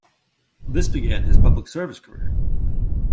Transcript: This began his public service career.